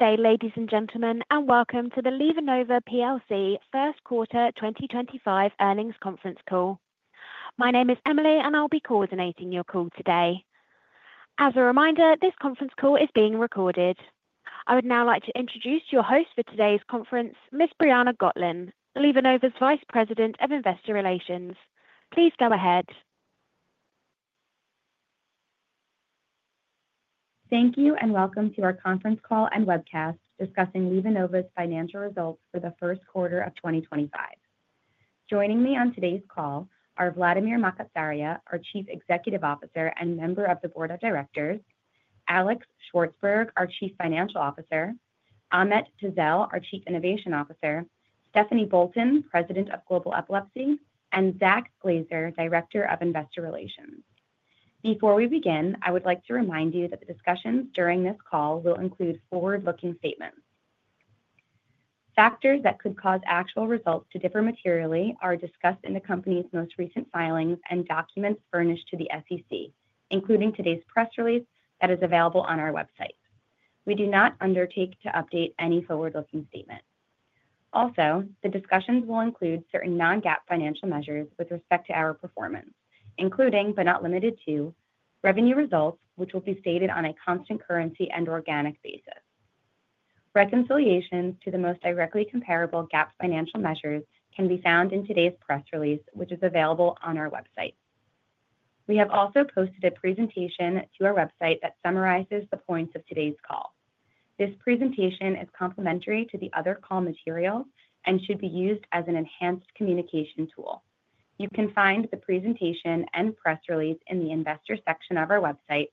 Okay, ladies and gentlemen, and welcome to the LivaNova Plc First Quarter 2025 Earnings Conference Call. My name is Emily, and I'll be coordinating your call today. As a reminder, this conference call is being recorded. I would now like to introduce your host for today's conference, Ms. Briana Gotlin, LivaNova's Vice President of Investor Relations. Please go ahead. Thank you, and welcome to our conference call and webcast discussing LivaNova's financial results for the first quarter of 2025. Joining me on today's call are Vladimir Makatsaria, our Chief Executive Officer and member of the Board of Directors, Alex Shvartsburg, our Chief Financial Officer, Ahmet Tezel, our Chief Innovation Officer, Stephanie Bolton, President of Global Epilepsy, and Zach Glazier, Director of Investor Relations. Before we begin, I would like to remind you that the discussions during this call will include forward-looking statements. Factors that could cause actual results to differ materially are discussed in the company's most recent filings and documents furnished to the SEC, including today's press release that is available on our website. We do not undertake to update any forward-looking statements. Also, the discussions will include certain non-GAAP financial measures with respect to our performance, including but not limited to revenue results, which will be stated on a constant currency and organic basis. Reconciliations to the most directly comparable GAAP financial measures can be found in today's press release, which is available on our website. We have also posted a presentation to our website that summarizes the points of today's call. This presentation is complementary to the other call materials and should be used as an enhanced communication tool. You can find the presentation and press release in the Investor section of our website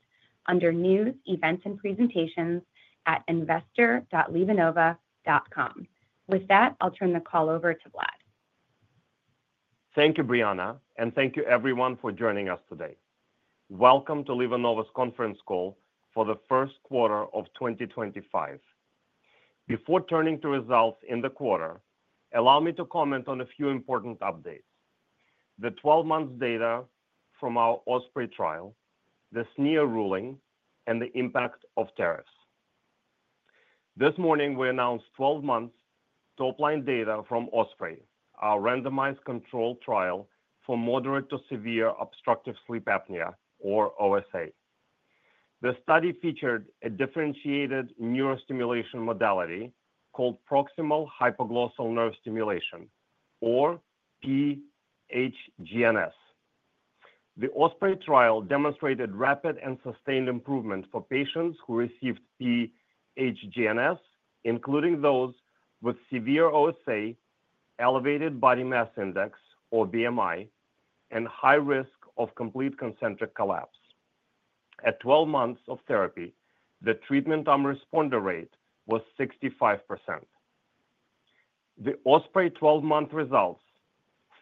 under News, Events, and Presentations at investor.livanova.com. With that, I'll turn the call over to Vlad. Thank you, Briana, and thank you everyone for joining us today. Welcome to LivaNova's conference call for the first quarter of 2025. Before turning to results in the quarter, allow me to comment on a few important updates: the 12-month data from our OSPREY trial, the SNIA ruling, and the impact of tariffs. This morning, we announced 12-month top-line data from OSPREY, our randomized controlled trial for moderate to severe obstructive sleep apnea, or OSA. The study featured a differentiated neurostimulation modality called proximal hypoglossal nerve stimulation, or PHGNS. The OSPREY trial demonstrated rapid and sustained improvement for patients who received PHGNS, including those with severe OSA, elevated body mass index, or BMI, and high risk of complete concentric collapse. At 12 months of therapy, the treatment-on-responder rate was 65%. The Osprey 12-month results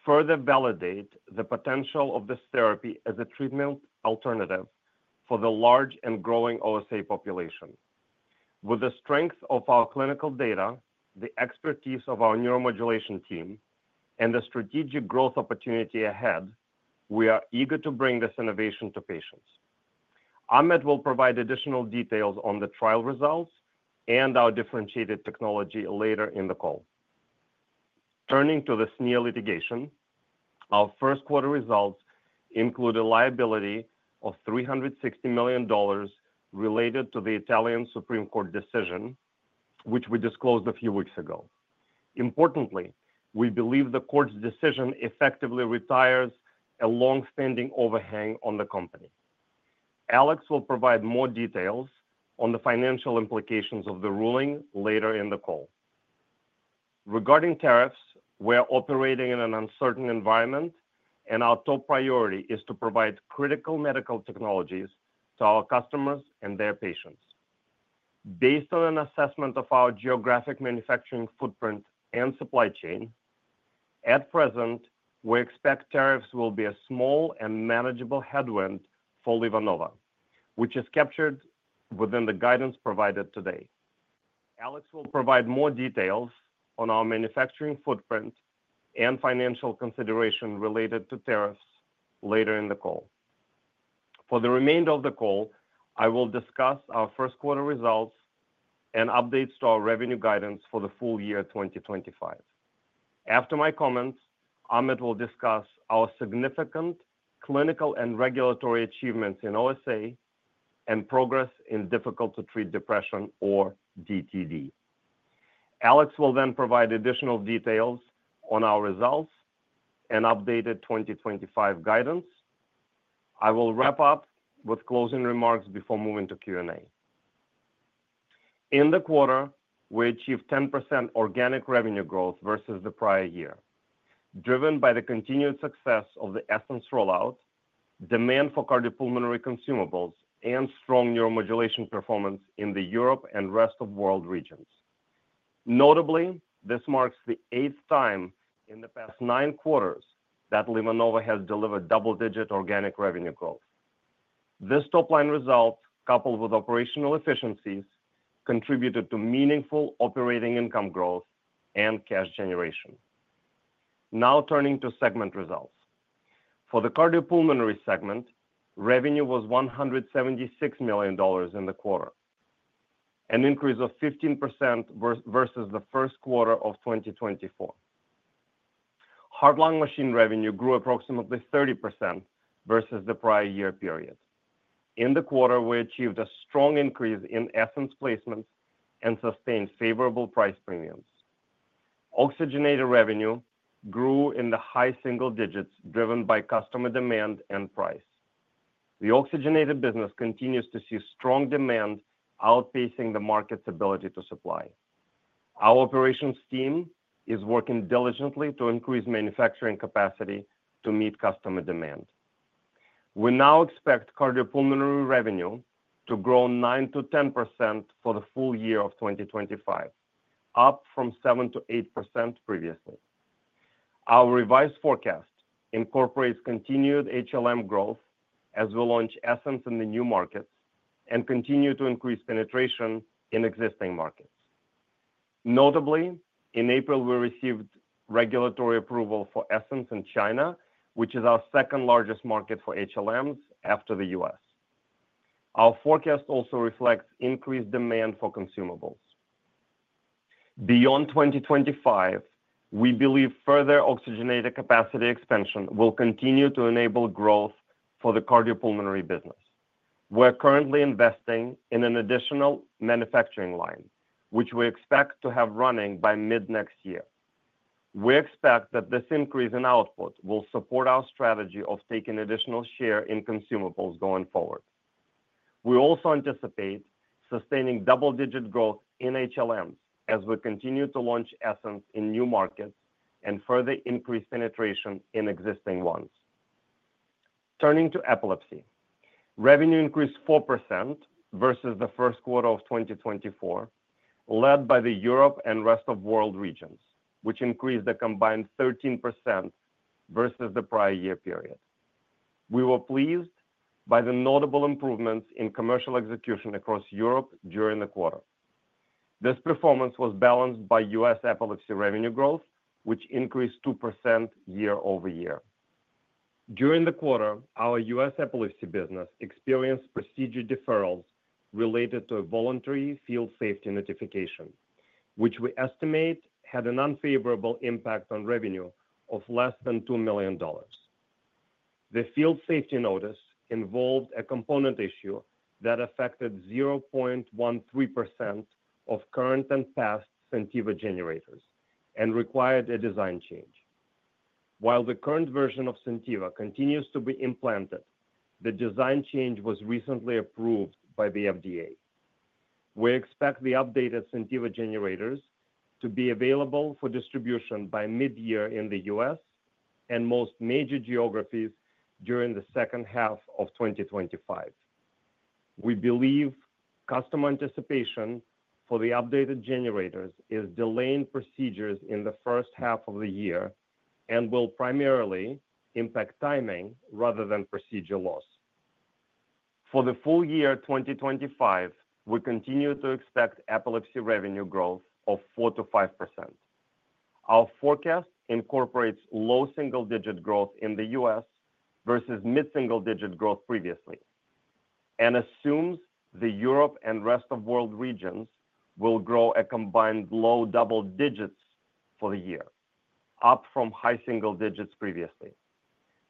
further validate the potential of this therapy as a treatment alternative for the large and growing OSA population. With the strength of our clinical data, the expertise of our neuromodulation team, and the strategic growth opportunity ahead, we are eager to bring this innovation to patients. Ahmet will provide additional details on the trial results and our differentiated technology later in the call. Turning to the SNIA litigation, our first quarter results include a liability of $360 million related to the Italian Supreme Court decision, which we disclosed a few weeks ago. Importantly, we believe the court's decision effectively retires a long-standing overhang on the company. Alex will provide more details on the financial implications of the ruling later in the call. Regarding tariffs, we are operating in an uncertain environment, and our top priority is to provide critical medical technologies to our customers and their patients. Based on an assessment of our geographic manufacturing footprint and supply chain, at present, we expect tariffs will be a small and manageable headwind for LivaNova, which is captured within the guidance provided today. Alex will provide more details on our manufacturing footprint and financial consideration related to tariffs later in the call. For the remainder of the call, I will discuss our first quarter results and updates to our revenue guidance for the full year 2025. After my comments, Ahmet will discuss our significant clinical and regulatory achievements in OSA and progress in difficult-to-treat depression, or DTD. Alex will then provide additional details on our results and updated 2025 guidance. I will wrap up with closing remarks before moving to Q&A. In the quarter, we achieved 10% organic revenue growth versus the prior year, driven by the continued success of the Essenz rollout, demand for cardiopulmonary consumables, and strong neuromodulation performance in the Europe and rest of the world regions. Notably, this marks the eighth time in the past nine quarters that LivaNova has delivered double-digit organic revenue growth. This top-line result, coupled with operational efficiencies, contributed to meaningful operating income growth and cash generation. Now turning to segment results. For the cardiopulmonary segment, revenue was $176 million in the quarter, an increase of 15% versus the first quarter of 2024. Heart-lung machine revenue grew approximately 30% versus the prior year period. In the quarter, we achieved a strong increase in Essenz placements and sustained favorable price premiums. Oxygenator revenue grew in the high single-digits, driven by customer demand and price. The oxygenator business continues to see strong demand outpacing the market's ability to supply. Our operations team is working diligently to increase manufacturing capacity to meet customer demand. We now expect cardiopulmonary revenue to grow 9%-10% for the full year of 2025, up from 7%-8% previously. Our revised forecast incorporates continued HLM growth as we launch Essenz in the new markets and continue to increase penetration in existing markets. Notably, in April, we received regulatory approval for Essenz in China, which is our second-largest market for HLMs after the U.S. Our forecast also reflects increased demand for consumables. Beyond 2025, we believe further oxygenator capacity expansion will continue to enable growth for the cardiopulmonary business. We're currently investing in an additional manufacturing line, which we expect to have running by mid-next year. We expect that this increase in output will support our strategy of taking additional share in consumables going forward. We also anticipate sustaining double-digit growth in HLMs as we continue to launch Essenz in new markets and further increase penetration in existing ones. Turning to epilepsy, revenue increased 4% versus the first quarter of 2024, led by the Europe and rest of the world regions, which increased a combined 13% versus the prior year period. We were pleased by the notable improvements in commercial execution across Europe during the quarter. This performance was balanced by U.S. epilepsy revenue growth, which increased 2% year-over-year. During the quarter, our U.S. epilepsy business experienced procedure deferrals related to a voluntary field safety notification, which we estimate had an unfavorable impact on revenue of less than $2 million. The field safety notice involved a component issue that affected 0.13% of current and past SenTiva generators and required a design change. While the current version of SenTiva continues to be implanted, the design change was recently approved by the FDA. We expect the updated SenTiva generators to be available for distribution by mid-year in the U.S. and most major geographies during the second half of 2025. We believe customer anticipation for the updated generators is delaying procedures in the first half of the year and will primarily impact timing rather than procedure loss. For the full year 2025, we continue to expect epilepsy revenue growth of 4%-5%. Our forecast incorporates low single-digit growth in the U.S. versus mid-single-digit growth previously and assumes the Europe and rest of the world regions will grow a combined low-double-digits for the year, up from high-single-digits previously.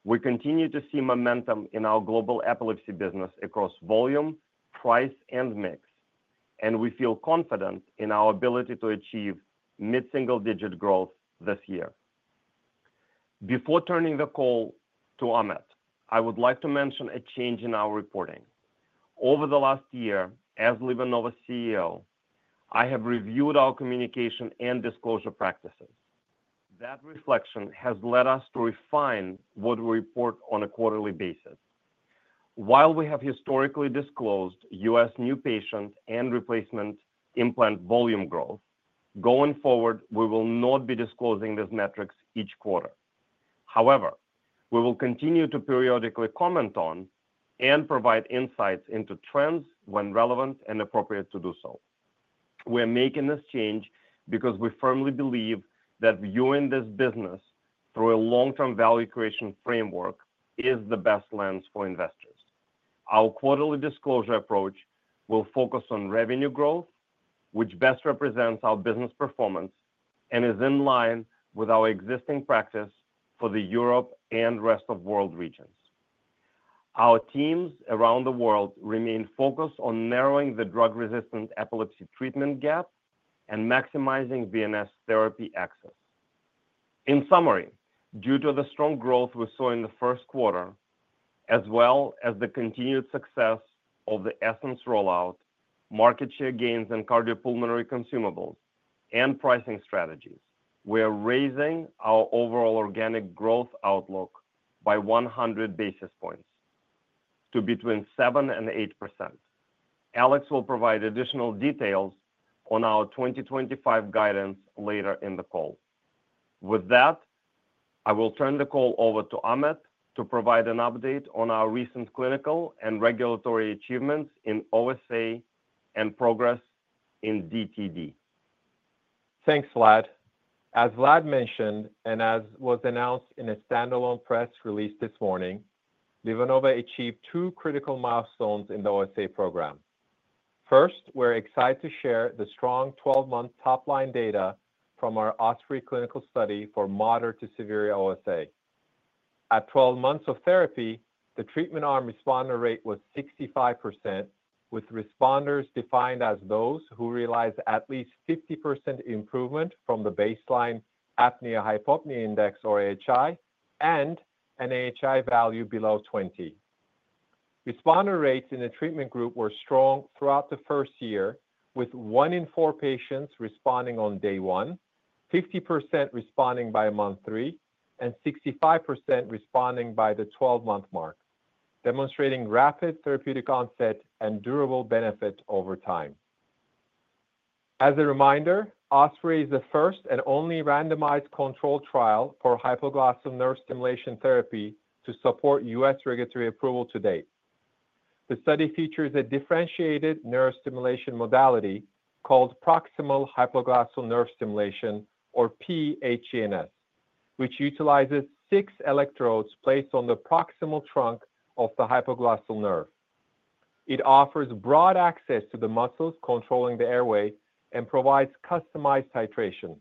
We continue to see momentum in our global epilepsy business across volume, price, and mix, and we feel confident in our ability to achieve mid-single-digit growth this year. Before turning the call to Ahmet, I would like to mention a change in our reporting. Over the last year, as LivaNova's CEO, I have reviewed our communication and disclosure practices. That reflection has led us to refine what we report on a quarterly basis. While we have historically disclosed U.S. new patient and replacement implant volume growth, going forward, we will not be disclosing these metrics each quarter. However, we will continue to periodically comment on and provide insights into trends when relevant and appropriate to do so. We are making this change because we firmly believe that viewing this business through a long-term value creation framework is the best lens for investors. Our quarterly disclosure approach will focus on revenue growth, which best represents our business performance and is in line with our existing practice for the Europe and rest of the world regions. Our teams around the world remain focused on narrowing the drug-resistant epilepsy treatment gap and maximizing VNS Therapy access. In summary, due to the strong growth we saw in the first quarter, as well as the continued success of the Essenz rollout, market share gains in cardiopulmonary consumables, and pricing strategies, we are raising our overall organic growth outlook by 100 basis points to between 7% and 8%. Alex will provide additional details on our 2025 guidance later in the call. With that, I will turn the call over to Ahmet to provide an update on our recent clinical and regulatory achievements in OSA and progress in DTD. Thanks, Vlad. As Vlad mentioned and as was announced in a standalone press release this morning, LivaNova achieved two critical milestones in the OSA program. First, we're excited to share the strong 12-month top-line data from our OSPREY clinical study for moderate-to-severe OSA. At 12 months of therapy, the treatment-on-responding rate was 65%, with responders defined as those who realized at least 50% improvement from the baseline apnea-hypopnea index, or AHI, and an AHI value below 20. Responder rates in the treatment group were strong throughout the first year, with one in four patients responding on day one, 50% responding by month three, and 65% responding by the 12-month mark, demonstrating rapid therapeutic onset and durable benefit over time. As a reminder, Osprey is the first and only randomized controlled trial for hypoglossal nerve stimulation therapy to support U.S. regulatory approval to date. The study features a differentiated nerve stimulation modality called proximal hypoglossal nerve stimulation, or PHGNS, which utilizes six electrodes placed on the proximal trunk of the hypoglossal nerve. It offers broad access to the muscles controlling the airway and provides customized titration.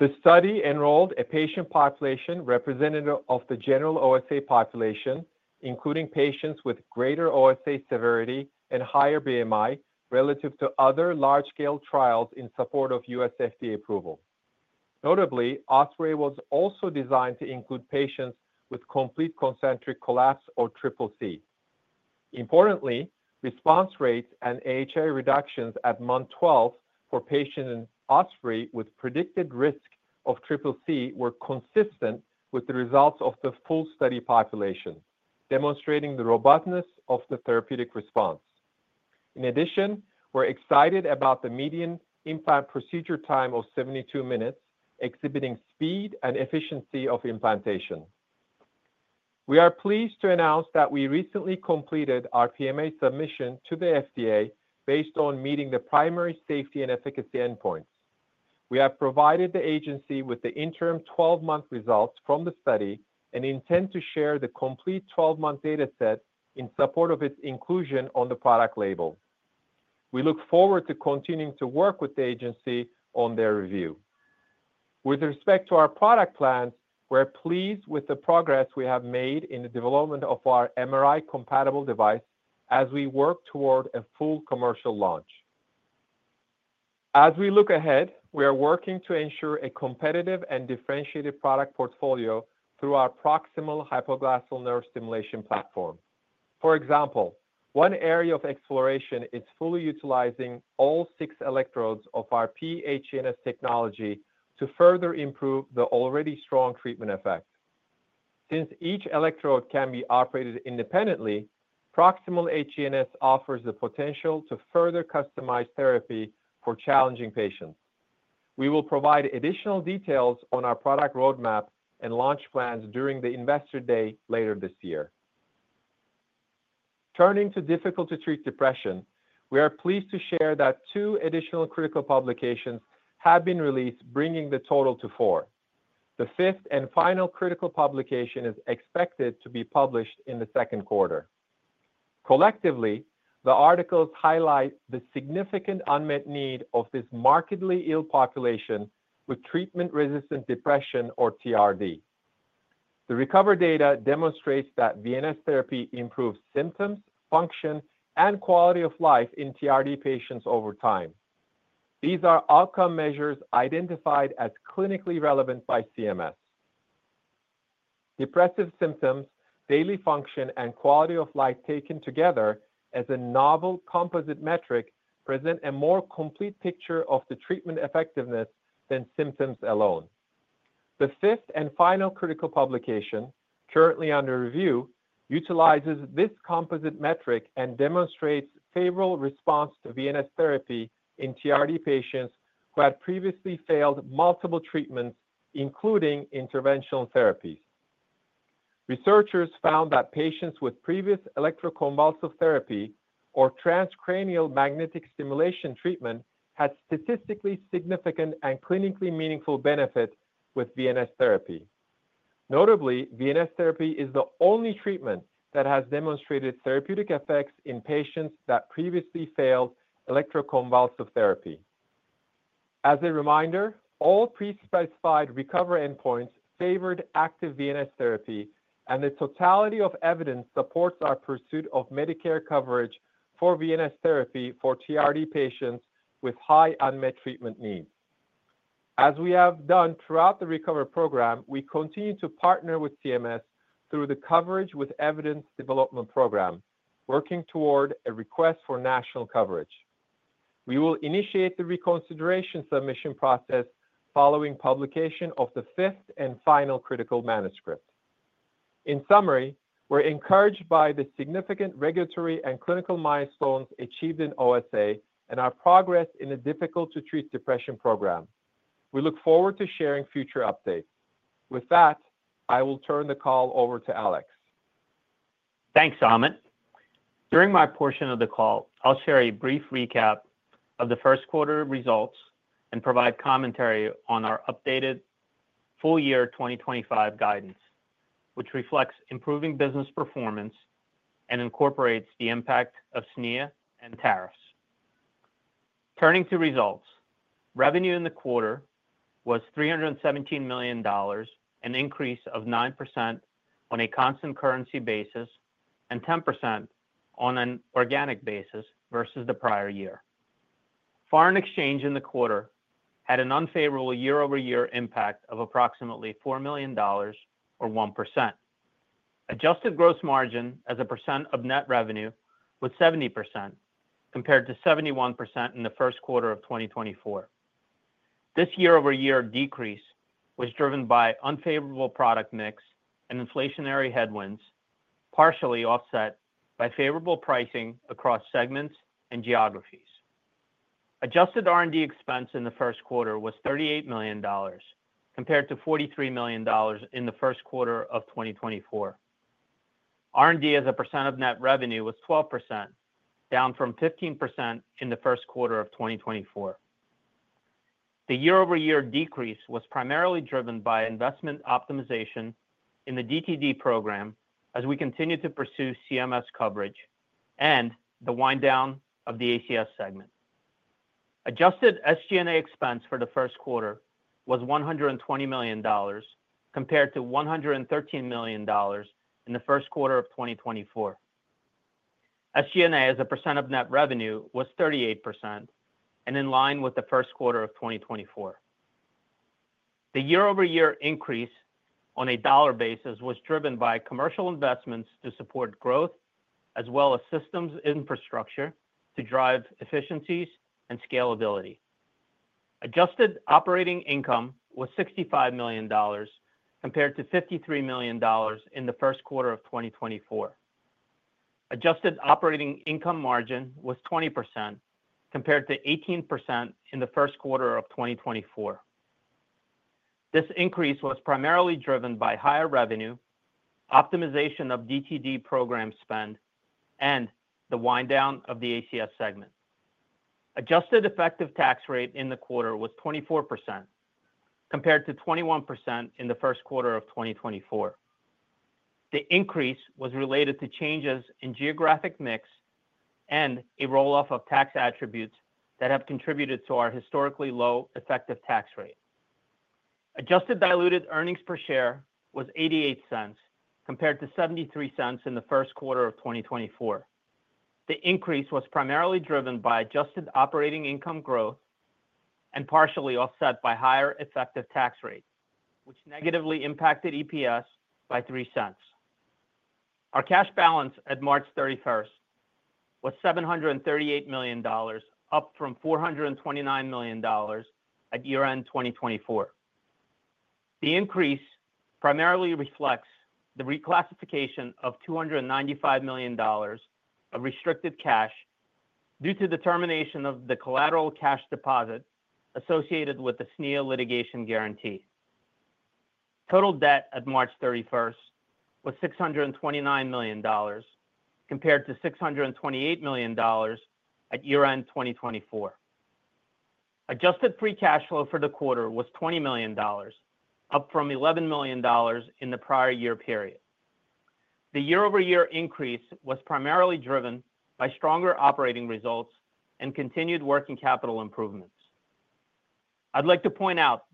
The study enrolled a patient population representative of the general OSA population, including patients with greater OSA severity and higher BMI relative to other large-scale trials in support of US FDA approval. Notably, OSPREY was also designed to include patients with complete concentric collapse, or CCC. Importantly, response rates and AHI reductions at month 12 for patients in Osprey with predicted risk of CCC were consistent with the results of the full study population, demonstrating the robustness of the therapeutic response. In addition, we're excited about the median implant procedure time of 72 minutes, exhibiting speed and efficiency of implantation. We are pleased to announce that we recently completed our PMA submission to the FDA based on meeting the primary safety and efficacy endpoints. We have provided the agency with the interim 12-month results from the study and intend to share the complete 12-month dataset in support of its inclusion on the product label. We look forward to continuing to work with the agency on their review. With respect to our product plans, we're pleased with the progress we have made in the development of our MRI-compatible device as we work toward a full commercial launch. As we look ahead, we are working to ensure a competitive and differentiated product portfolio through our proximal hypoglossal nerve stimulation platform. For example, one area of exploration is fully utilizing all six electrodes of our PHGNS technology to further improve the already strong treatment effect. Since each electrode can be operated independently, proximal HGNS offers the potential to further customize therapy for challenging patients. We will provide additional details on our product roadmap and launch plans during the investor day later this year. Turning to difficult-to-treat depression, we are pleased to share that two additional critical publications have been released, bringing the total to four. The fifth and final critical publication is expected to be published in the second quarter. Collectively, the articles highlight the significant unmet need of this markedly ill population with treatment-resistant depression, or TRD. The recovery data demonstrates that VNS Therapy improves symptoms, function, and quality of life in TRD patients over time. These are outcome measures identified as clinically relevant by CMS. Depressive symptoms, daily function, and quality of life taken together as a novel composite metric present a more complete picture of the treatment effectiveness than symptoms alone. The fifth and final critical publication, currently under review, utilizes this composite metric and demonstrates favorable response to VNS Therapy in TRD patients who had previously failed multiple treatments, including interventional therapies. Researchers found that patients with previous electroconvulsive therapy or transcranial magnetic stimulation treatment had statistically significant and clinically meaningful benefit with VNS Therapy. Notably, VNS Therapy is the only treatment that has demonstrated therapeutic effects in patients that previously failed electroconvulsive therapy. As a reminder, all pre-specified recovery endpoints favored active VNS Therapy, and the totality of evidence supports our pursuit of Medicare coverage for VNS Therapy for TRD patients with high unmet treatment needs. As we have done throughout the recovery program, we continue to partner with CMS through the Coverage with Evidence Development Program, working toward a request for national coverage. We will initiate the reconsideration submission process following publication of the fifth and final critical manuscript. In summary, we're encouraged by the significant regulatory and clinical milestones achieved in OSA and our progress in the difficult-to-treat depression program. We look forward to sharing future updates. With that, I will turn the call over to Alex. Thanks, Ahmet. During my portion of the call, I'll share a brief recap of the first quarter results and provide commentary on our updated full year 2025 guidance, which reflects improving business performance and incorporates the impact of SNIA and tariffs. Turning to results, revenue in the quarter was $317 million, an increase of 9% on a constant currency basis and 10% on an organic basis versus the prior year. Foreign exchange in the quarter had an unfavorable year-over-year impact of approximately $4 million, or 1%. Adjusted gross margin as a percent of net revenue was 70%, compared to 71% in the first quarter of 2024. This year-over-year decrease was driven by unfavorable product mix and inflationary headwinds, partially offset by favorable pricing across segments and geographies. Adjusted R&D expense in the first quarter was $38 million, compared to $43 million in the first quarter of 2024. R&D as a percent of net revenue was 12%, down from 15% in the first quarter of 2024. The year-over-year decrease was primarily driven by investment optimization in the DTD program as we continue to pursue CMS coverage and the wind-down of the ACS segment. Adjusted SG&A expense for the first quarter was $120 million, compared to $113 million in the first quarter of 2024. SG&A as a percent of net revenue was 38%, and in line with the first quarter of 2024. The year-over-year increase on a dollar basis was driven by commercial investments to support growth, as well as systems infrastructure to drive efficiencies and scalability. Adjusted operating income was $65 million, compared to $53 million in the first quarter of 2024. Adjusted operating income margin was 20%, compared to 18% in the first quarter of 2024. This increase was primarily driven by higher revenue, optimization of DTD program spend, and the wind-down of the ACS segment. Adjusted effective tax rate in the quarter was 24%, compared to 21% in the first quarter of 2024. The increase was related to changes in geographic mix and a rolloff of tax attributes that have contributed to our historically low effective tax rate. Adjusted diluted earnings per share was $0.88, compared to $0.73 in the first quarter of 2024. The increase was primarily driven by adjusted operating income growth and partially offset by higher effective tax rate, which negatively impacted EPS by $0.03. Our cash balance at March 31st was $738 million, up from $429 million at year-end 2024. The increase primarily reflects the reclassification of $295 million of restricted cash due to the termination of the collateral cash deposit associated with the SNIA litigation guarantee. Total debt at March 31st was $629 million, compared to $628 million at year-end 2024. Adjusted free cash flow for the quarter was $20 million, up from $11 million in the prior year period. The year-over-year increase was primarily driven by stronger operating results and continued working capital improvements. I'd like to point out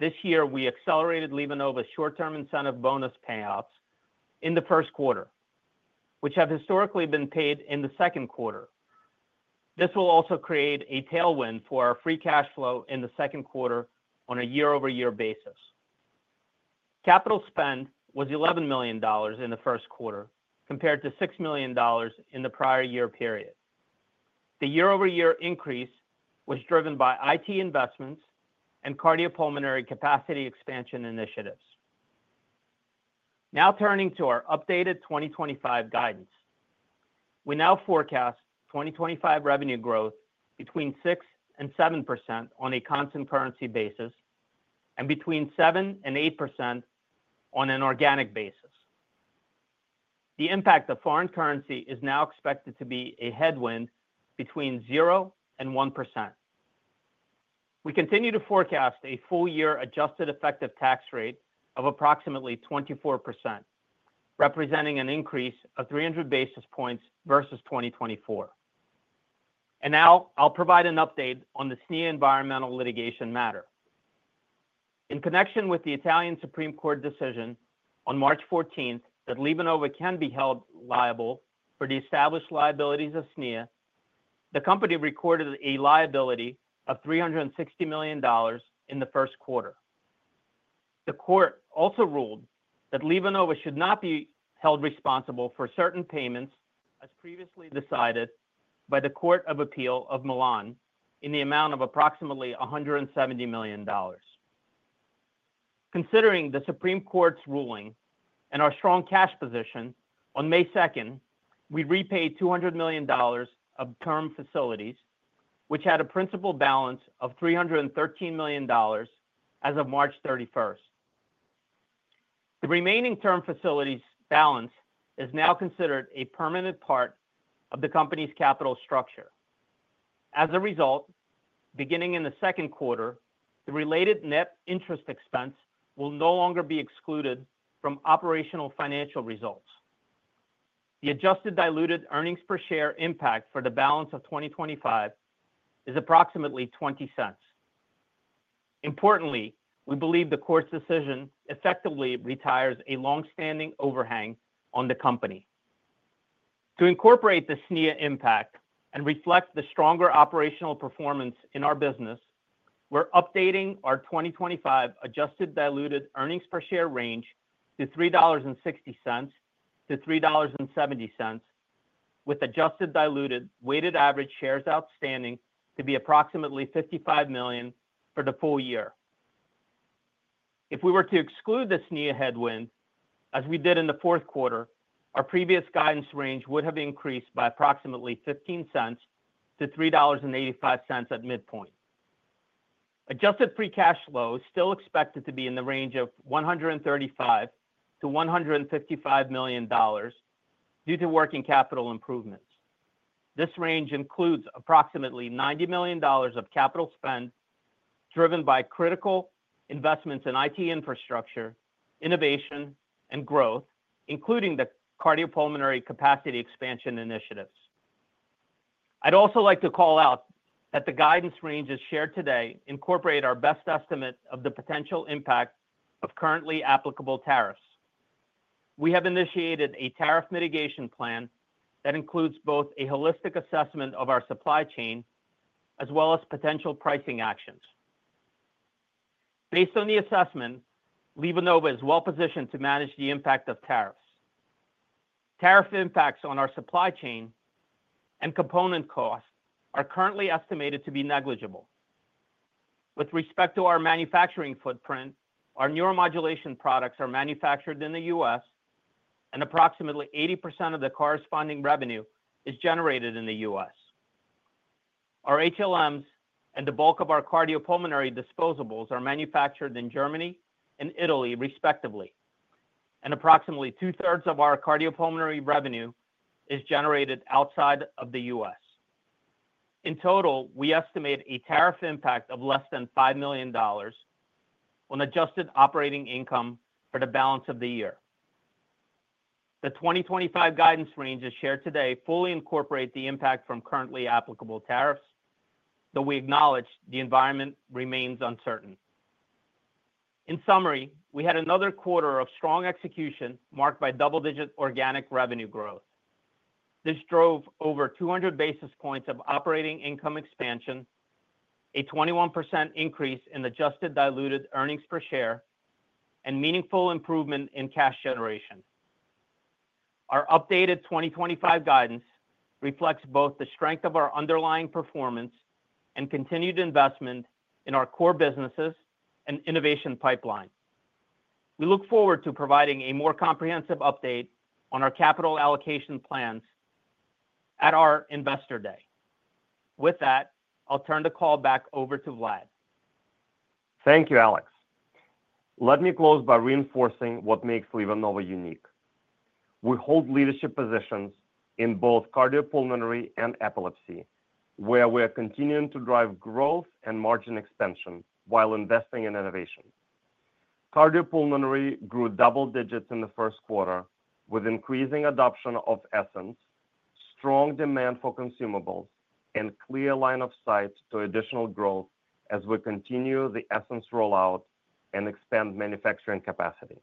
this year we accelerated LivaNova's short-term incentive bonus payouts in the first quarter, which have historically been paid in the second quarter. This will also create a tailwind for our free cash flow in the second quarter on a year-over-year basis. Capital spend was $11 million in the first quarter, compared to $6 million in the prior year period. The year-over-year increase was driven by IT investments and cardiopulmonary capacity expansion initiatives. Now turning to our updated 2025 guidance, we now forecast 2025 revenue growth between 6% and 7% on a constant currency basis and between 7% and 8% on an organic basis. The impact of foreign currency is now expected to be a headwind between 0% and 1%. We continue to forecast a full year adjusted effective tax rate of approximately 24%, representing an increase of 300 basis points versus 2024. Now I'll provide an update on the SNIA environmental litigation matter. In connection with the Italian Supreme Court decision on March 14th that LivaNova can be held liable for the established liabilities of SNIA, the company recorded a liability of $360 million in the first quarter. The court also ruled that LivaNova should not be held responsible for certain payments as previously decided by the Court of Appeal of Milan in the amount of approximately $170 million. Considering the Supreme Court's ruling and our strong cash position, on May 2nd, we repaid $200 million of term facilities, which had a principal balance of $313 million as of March 31st. The remaining term facilities balance is now considered a permanent part of the company's capital structure. As a result, beginning in the second quarter, the related net interest expense will no longer be excluded from operational financial results. The adjusted diluted earnings per share impact for the balance of 2025 is approximately $0.20. Importantly, we believe the court's decision effectively retires a long-standing overhang on the company. To incorporate the SNIA impact and reflect the stronger operational performance in our business, we're updating our 2025 adjusted diluted earnings per share range to $3.60-$3.70, with adjusted diluted weighted average shares outstanding to be approximately 55 million for the full year. If we were to exclude the SNIA headwind, as we did in the fourth quarter, our previous guidance range would have increased by approximately $0.15-$3.85 at midpoint. Adjusted free cash flow is still expected to be in the range of $135 million-$155 million due to working capital improvements. This range includes approximately $90 million of capital spend driven by critical investments in IT infrastructure, innovation, and growth, including the cardiopulmonary capacity expansion initiatives. I'd also like to call out that the guidance range as shared today incorporates our best estimate of the potential impact of currently applicable tariffs. We have initiated a tariff mitigation plan that includes both a holistic assessment of our supply chain as well as potential pricing actions. Based on the assessment, LivaNova is well positioned to manage the impact of tariffs. Tariff impacts on our supply chain and component costs are currently estimated to be negligible. With respect to our manufacturing footprint, our neuromodulation products are manufactured in the U.S., and approximately 80% of the corresponding revenue is generated in the U.S. Our HLMs and the bulk of our cardiopulmonary disposables are manufactured in Germany and Italy, respectively, and approximately two-thirds of our cardiopulmonary revenue is generated outside of the U.S. In total, we estimate a tariff impact of less than $5 million on adjusted operating income for the balance of the year. The 2025 guidance range as shared today fully incorporates the impact from currently applicable tariffs, though we acknowledge the environment remains uncertain. In summary, we had another quarter of strong execution marked by double-digit organic revenue growth. This drove over 200 basis points of operating income expansion, a 21% increase in adjusted diluted earnings per share, and meaningful improvement in cash generation. Our updated 2025 guidance reflects both the strength of our underlying performance and continued investment in our core businesses and innovation pipeline. We look forward to providing a more comprehensive update on our capital allocation plans at our investor day. With that, I'll turn the call back over to Vlad. Thank you, Alex. Let me close by reinforcing what makes LivaNova unique. We hold leadership positions in both cardiopulmonary and epilepsy, where we are continuing to drive growth and margin expansion while investing in innovation. Cardiopulmonary grew double digits in the first quarter with increasing adoption of Essenz, strong demand for consumables, and clear line of sight to additional growth as we continue the Essenz rollout and expand manufacturing capacity.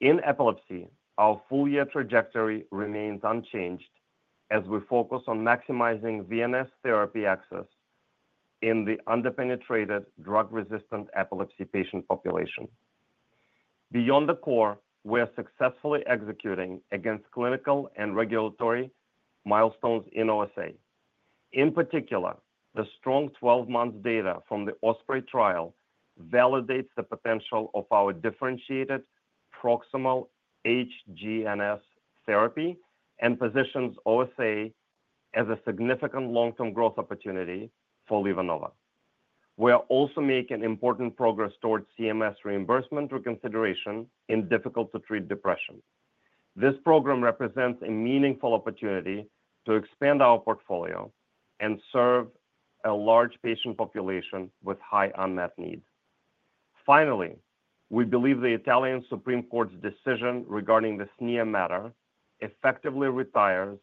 In epilepsy, our full year trajectory remains unchanged as we focus on maximizing VNS Therapy access in the underpenetrated drug-resistant epilepsy patient population. Beyond the core, we are successfully executing against clinical and regulatory milestones in OSA. In particular, the strong 12-month data from the OSPREY trial validates the potential of our differentiated proximal HGNS therapy and positions OSA as a significant long-term growth opportunity for LivaNova. We are also making important progress towards CMS reimbursement reconsideration in difficult-to-treat depression. This program represents a meaningful opportunity to expand our portfolio and serve a large patient population with high unmet needs. Finally, we believe the Italian Supreme Court's decision regarding the SNIA matter effectively retires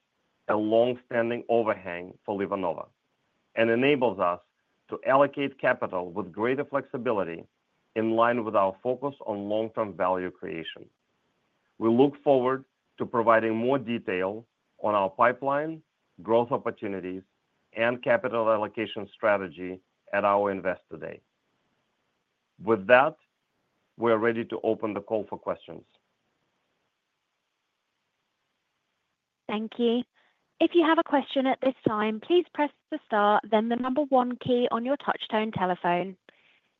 a long-standing overhang for LivaNova and enables us to allocate capital with greater flexibility in line with our focus on long-term value creation. We look forward to providing more detail on our pipeline, growth opportunities, and capital allocation strategy at our investor day. With that, we are ready to open the call for questions. Thank you. If you have a question at this time, please press the star, then the number one key on your touch-tone telephone.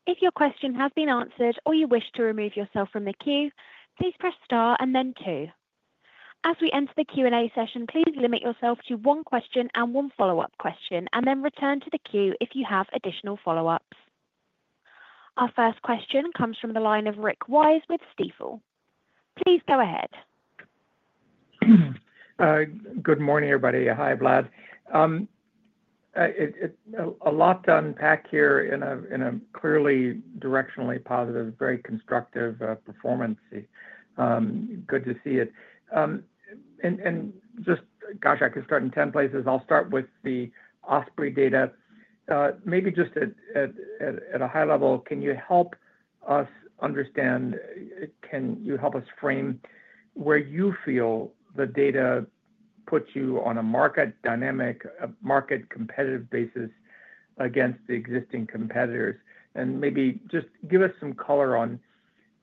If your question has been answered or you wish to remove yourself from the queue, please press star and then two. As we enter the Q&A session, please limit yourself to one question and one follow-up question, and then return to the queue if you have additional follow-ups. Our first question comes from the line of Rick Wise with Stifel. Please go ahead. Good morning, everybody. Hi, Vlad. A lot to unpack here in a clearly directionally positive, very constructive performance. Good to see it. Gosh, I could start in 10 places. I'll start with the OSPREY data. Maybe just at a high level, can you help us understand, can you help us frame where you feel the data puts you on a market dynamic, a market competitive basis against the existing competitors? Maybe just give us some color on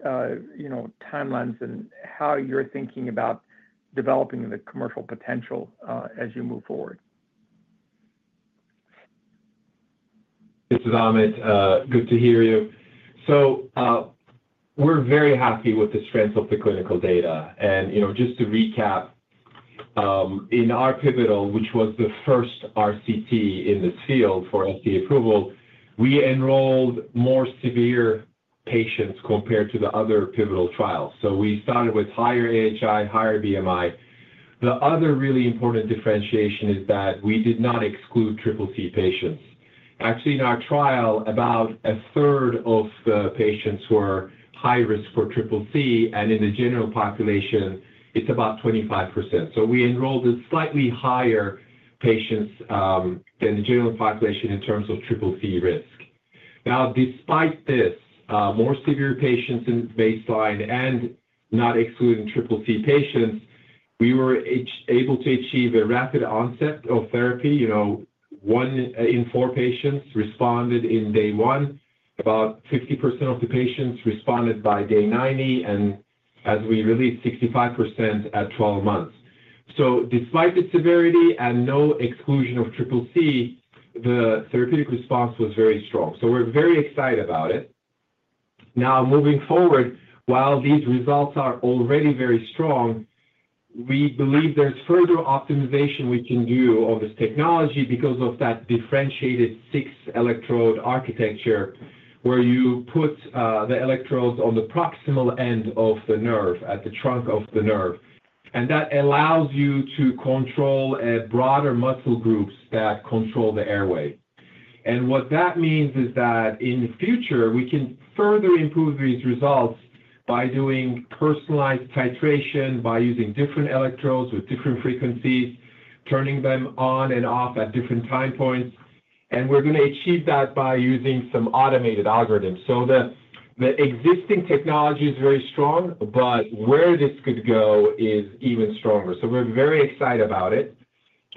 timelines and how you're thinking about developing the commercial potential as you move forward. Thanks, Ahmet. Good to hear you. We're very happy with the strength of the clinical data. Just to recap, in our pivotal, which was the first RCT in this field for FDA approval, we enrolled more severe patients compared to the other pivotal trials. We started with higher AHI, higher BMI. The other really important differentiation is that we did not exclude CCC patients. Actually, in our trial, about a 1/3 of the patients were high risk for CCC, and in the general population, it's about 25%. We enrolled in slightly higher patients than the general population in terms of CCC risk. Now, despite this, more severe patients in baseline and not excluding CCC patients, we were able to achieve a rapid onset of therapy. One in four patients responded in day one. About 50% of the patients responded by day 90, and as we released, 65% at 12 months. Despite the severity and no exclusion of CCC, the therapeutic response was very strong. We are very excited about it. Now, moving forward, while these results are already very strong, we believe there is further optimization we can do on this technology because of that differentiated six-electrode architecture where you put the electrodes on the proximal end of the nerve at the trunk of the nerve. That allows you to control broader muscle groups that control the airway. What that means is that in the future, we can further improve these results by doing personalized titration, by using different electrodes with different frequencies, turning them on and off at different time points. We are going to achieve that by using some automated algorithms. The existing technology is very strong, but where this could go is even stronger. We're very excited about it.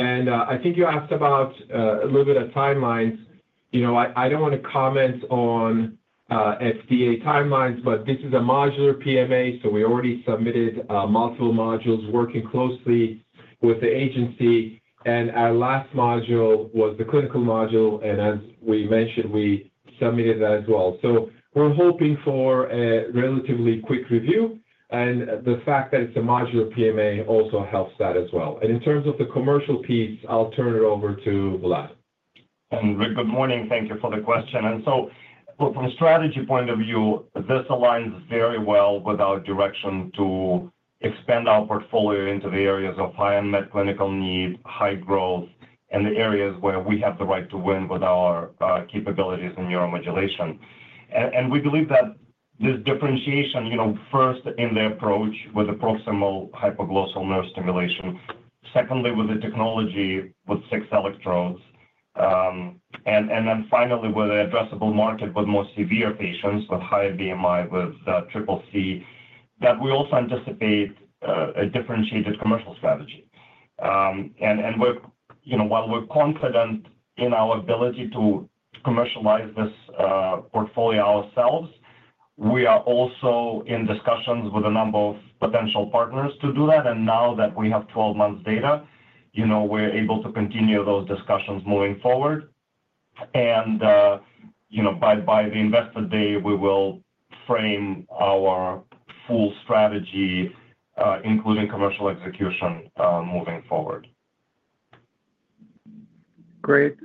I think you asked about a little bit of timelines. I don't want to comment on FDA timelines, but this is a modular PMA, so we already submitted multiple modules working closely with the agency. Our last module was the clinical module, and as we mentioned, we submitted that as well. We're hoping for a relatively quick review, and the fact that it's a modular PMA also helps that as well. In terms of the commercial piece, I'll turn it over to Vlad. Rick, good morning. Thank you for the question. From a strategy point of view, this aligns very well with our direction to expand our portfolio into the areas of high unmet clinical need, high growth, and the areas where we have the right to win with our capabilities in neuromodulation. We believe that this differentiation, first in the approach with the proximal hypoglossal nerve stimulation, secondly with the technology with six electrodes, and then finally with the addressable market with more severe patients with higher BMI, with CCC, that we also anticipate a differentiated commercial strategy. While we're confident in our ability to commercialize this portfolio ourselves, we are also in discussions with a number of potential partners to do that. Now that we have 12 months' data, we're able to continue those discussions moving forward. By the investor day, we will frame our full strategy, including commercial execution moving forward. Great.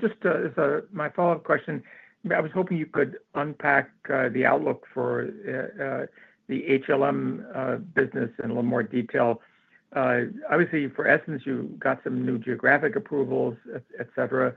Just as my follow-up question, I was hoping you could unpack the outlook for the HLM business in a little more detail. Obviously, for Essenz, you got some new geographic approvals, etc.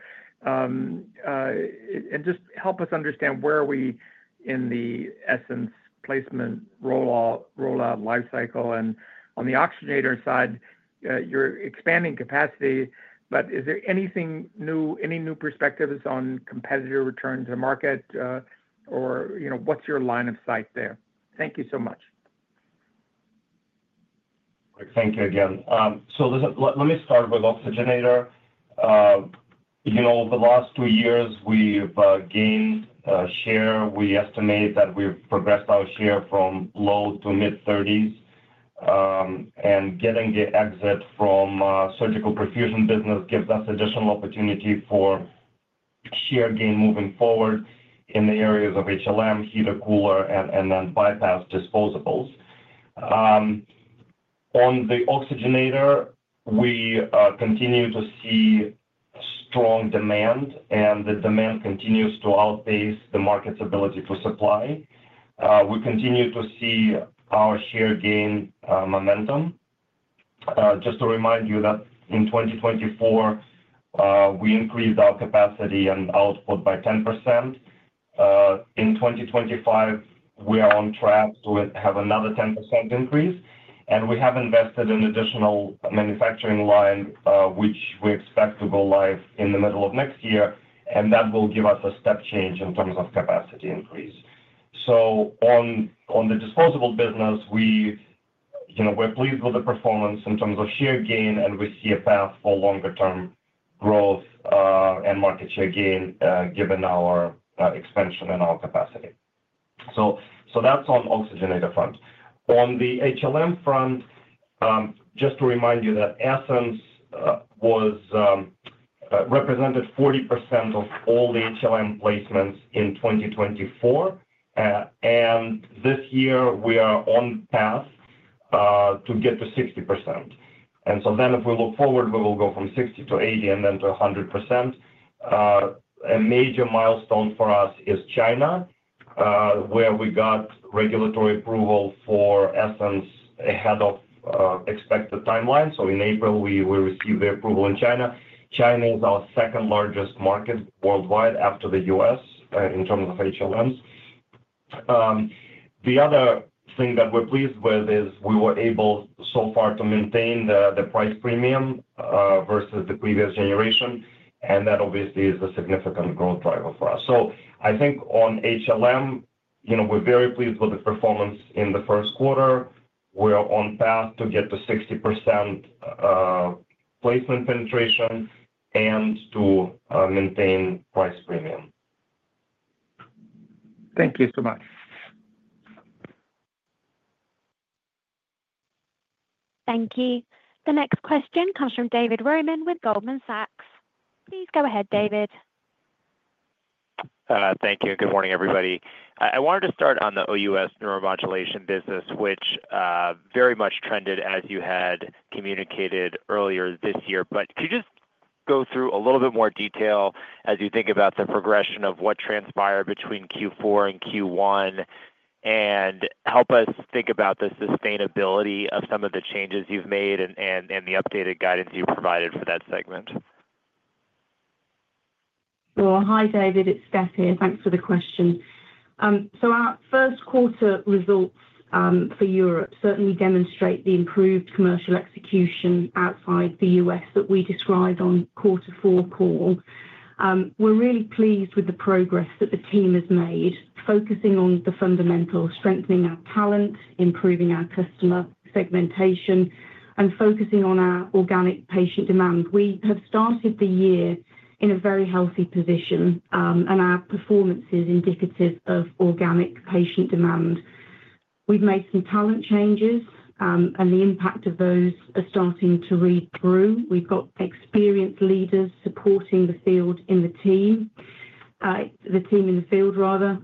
Just help us understand where are we in the Essenz placement rollout lifecycle. On the oxygenator side, you're expanding capacity, but is there anything new, any new perspectives on competitor return to market, or what's your line of sight there? Thank you so much. Thank you again. Let me start with oxygenator. Over the last two years, we've gained share. We estimate that we've progressed our share from low-to-mid-30s. Getting the exit from surgical perfusion business gives us additional opportunity for share gain moving forward in the areas of HLM, heater, cooler, and then bypass disposables. On the oxygenator, we continue to see strong demand, and the demand continues to outpace the market's ability to supply. We continue to see our share gain momentum. Just to remind you that in 2024, we increased our capacity and output by 10%. In 2025, we are on track to have another 10% increase. We have invested in an additional manufacturing line, which we expect to go live in the middle of next year, and that will give us a step change in terms of capacity increase. On the disposable business, we're pleased with the performance in terms of share gain, and we see a path for longer-term growth and market share gain given our expansion and our capacity. That's on the oxygenator front. On the HLM front, just to remind you that Essenz represented 40% of all the HLM placements in 2024, and this year, we are on path to get to 60%. If we look forward, we will go from 60%-80% and then to 100%. A major milestone for us is China, where we got regulatory approval for Essenz ahead of expected timelines. In April, we received the approval in China. China is our second largest market worldwide after the U.S. in terms of HLMs. The other thing that we're pleased with is we were able so far to maintain the price premium versus the previous generation, and that obviously is a significant growth driver for us. I think on HLM, we're very pleased with the performance in the first quarter. We're on path to get to 60% placement penetration and to maintain price premium. Thank you so much. Thank you. The next question comes from David Roman with Goldman Sachs. Please go ahead, David. Thank you. Good morning, everybody. I wanted to start on the OUS neuromodulation business, which very much trended as you had communicated earlier this year. Could you just go through a little bit more detail as you think about the progression of what transpired between Q4 and Q1 and help us think about the sustainability of some of the changes you've made and the updated guidance you provided for that segment? Hi, David. It's Steph here. Thanks for the question. Our first quarter results for Europe certainly demonstrate the improved commercial execution outside the U.S. that we described on quarter four call. We're really pleased with the progress that the team has made, focusing on the fundamentals, strengthening our talent, improving our customer segmentation, and focusing on our organic patient demand. We have started the year in a very healthy position, and our performance is indicative of organic patient demand. We've made some talent changes, and the impact of those is starting to read through. We've got experienced leaders supporting the team in the field, rather.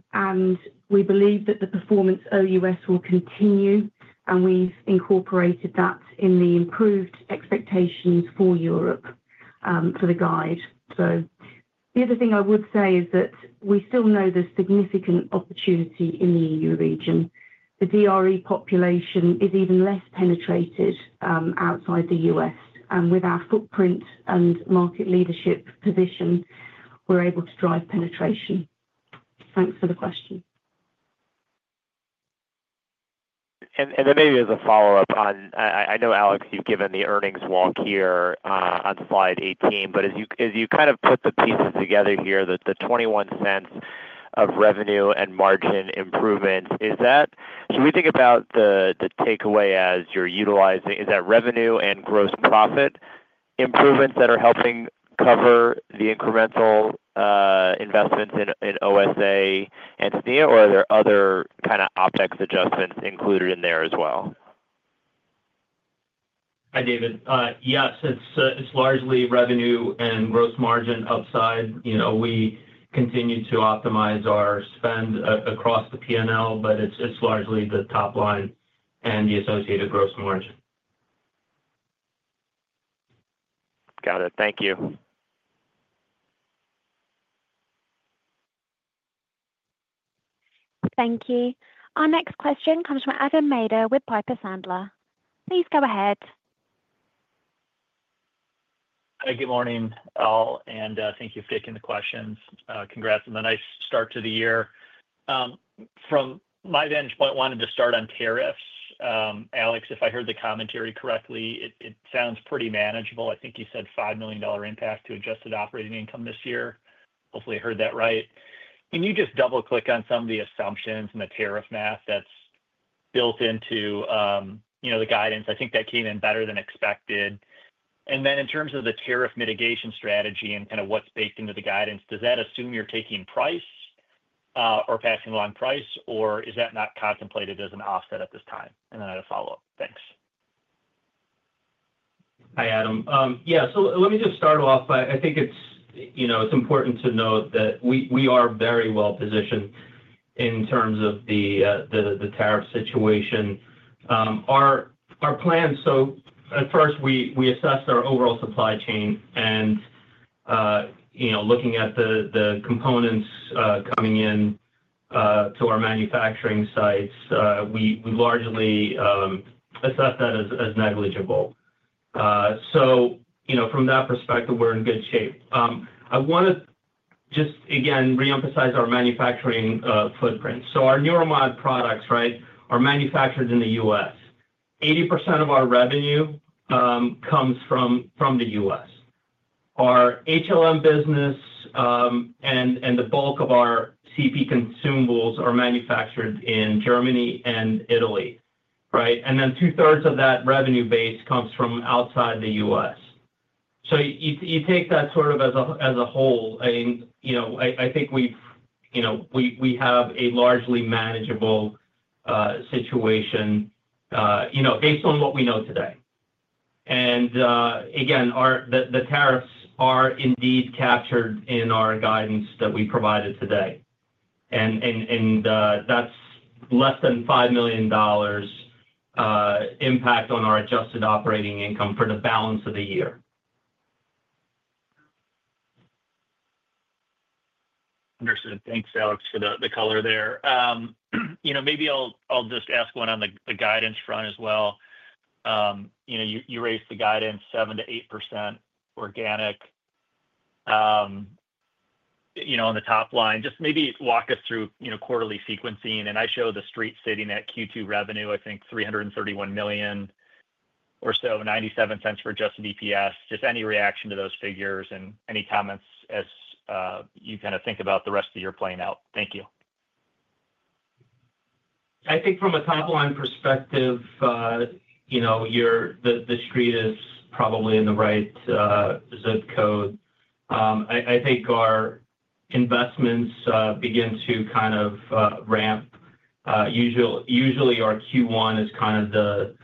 We believe that the performance OUS will continue, and we've incorporated that in the improved expectations for Europe for the guide. The other thing I would say is that we still know there's significant opportunity in the EU region. The DRE population is even less penetrated outside the U.S. With our footprint and market leadership position, we're able to drive penetration. Thanks for the question. Maybe as a follow-up on, I know, Alex, you've given the earnings walk here on slide 18, but as you kind of put the pieces together here, the $0.21 of revenue and margin improvements, should we think about the takeaway as you're utilizing, is that revenue and gross profit improvements that are helping cover the incremental investments in OSA and SNIA, or are there other kind of optics adjustments included in there as well? Hi, David. Yes, it's largely revenue and gross margin upside. We continue to optimize our spend across the P&L, but it's largely the top line and the associated gross margin. Got it. Thank you. Thank you. Our next question comes from Adam Maeder with Piper Sandler. Please go ahead. Hi, good morning, all. Thank you for taking the questions. Congrats on the nice start to the year. From my vantage point, I wanted to start on tariffs. Alex, if I heard the commentary correctly, it sounds pretty manageable. I think you said $5 million impact to adjusted operating income this year. Hopefully, I heard that right. Can you just double-click on some of the assumptions and the tariff math that's built into the guidance? I think that came in better than expected. In terms of the tariff mitigation strategy and kind of what's baked into the guidance, does that assume you're taking price or passing along price, or is that not contemplated as an offset at this time? I have a follow-up. Thanks. Hi, Adam. Yeah, so let me just start off. I think it's important to note that we are very well positioned in terms of the tariff situation. Our plan, at first, we assessed our overall supply chain, and looking at the components coming in to our manufacturing sites, we largely assessed that as negligible. From that perspective, we're in good shape. I want to just, again, reemphasize our manufacturing footprint. Our Neuromod products, right, are manufactured in the U.S. 80% of our revenue comes from the U.S. Our HLM business and the bulk of our CP consumables are manufactured in Germany and Italy, right? Two-thirds of that revenue base comes from outside the U.S. You take that sort of as a whole. I think we have a largely manageable situation based on what we know today. The tariffs are indeed captured in our guidance that we provided today. That is less than $5 million impact on our adjusted operating income for the balance of the year. Understood. Thanks, Alex, for the color there. Maybe I'll just ask one on the guidance front as well. You raised the guidance 7%-8% organic on the top line. Just maybe walk us through quarterly sequencing. I show the street sitting at Q2 revenue, I think, $331 million or so, $0.97 for adjusted EPS. Just any reaction to those figures and any comments as you kind of think about the rest of your playing out? Thank you. I think from a top-line perspective, the street is probably in the right zip code. I think our investments begin to kind of ramp. Usually, our Q1 is kind of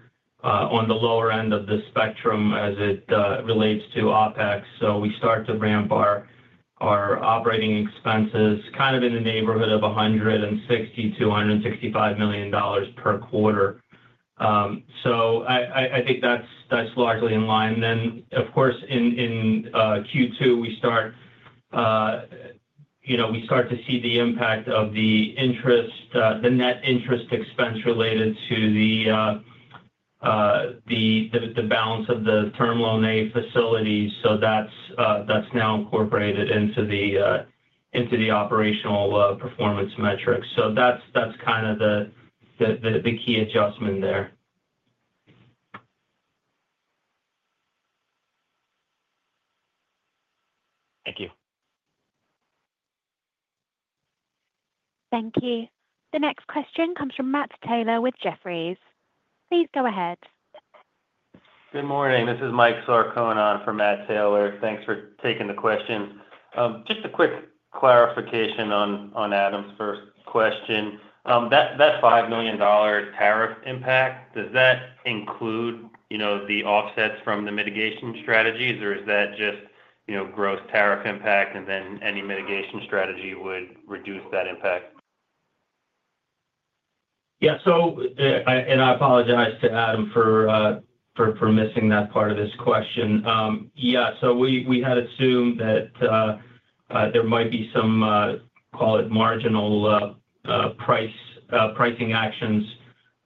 on the lower end of the spectrum as it relates to OpEx. We start to ramp our operating expenses kind of in the neighborhood of $160 million-$165 million per quarter. I think that's largely in line. In Q2, we start to see the impact of the net interest expense related to the balance of the term loan A facilities. That's now incorporated into the operational performance metrics. That's kind of the key adjustment there. Thank you. Thank you. The next question comes from Matt Taylor with Jefferies. Please go ahead. Good morning. This is Mike Sarcone from Matt Taylor. Thanks for taking the question. Just a quick clarification on Adam's first question. That $5 million tariff impact, does that include the offsets from the mitigation strategies, or is that just gross tariff impact and then any mitigation strategy would reduce that impact? Yeah. I apologize to Adam for missing that part of his question. Yeah. We had assumed that there might be some, call it, marginal pricing actions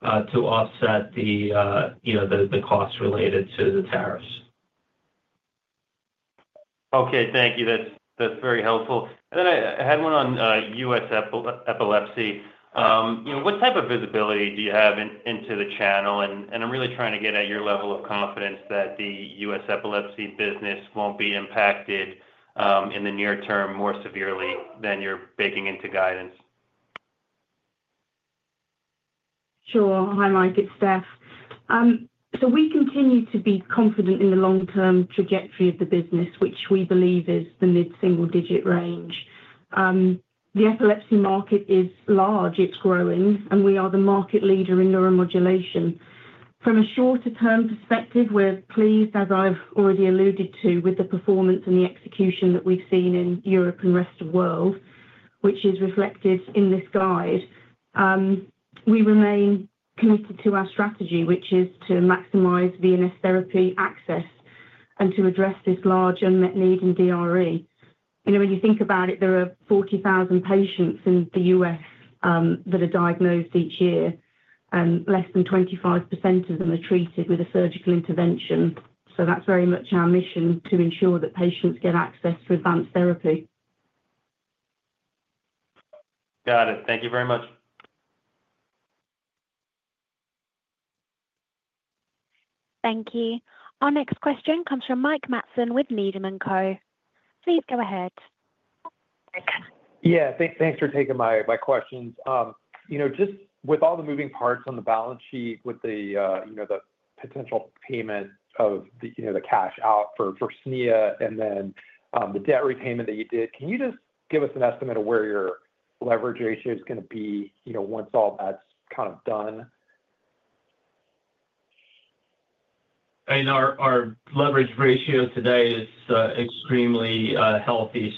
to offset the costs related to the tariffs. Okay. Thank you. That's very helpful. I had one on U.S. epilepsy. What type of visibility do you have into the channel? I'm really trying to get at your level of confidence that the U.S. epilepsy business won't be impacted in the near term more severely than you're baking into guidance. Sure. Hi, Mike. It's Steph. We continue to be confident in the long-term trajectory of the business, which we believe is the mid-single-digit range. The epilepsy market is large. It's growing, and we are the market leader in neuromodulation. From a shorter-term perspective, we're pleased, as I've already alluded to, with the performance and the execution that we've seen in Europe and the rest of the world, which is reflected in this guide. We remain committed to our strategy, which is to maximize VNS Therapy access and to address this large unmet need in DRE. When you think about it, there are 40,000 patients in the U.S. that are diagnosed each year, and less than 25% of them are treated with a surgical intervention. That's very much our mission to ensure that patients get access to advanced therapy. Got it. Thank you very much. Thank you. Our next question comes from Mike Matson with Needham & Co. Please go ahead. Yeah. Thanks for taking my questions. Just with all the moving parts on the balance sheet with the potential payment of the cash out for SNIA and then the debt repayment that you did, can you just give us an estimate of where your leverage ratio is going to be once all that's kind of done? Our leverage ratio today is extremely healthy.